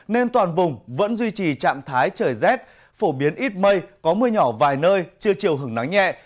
nên toàn vùng vẫn duy trì trạng thái trời rét phổ biến ít mây có mưa nhỏ vài nơi chưa chiều hứng nắng nhẹ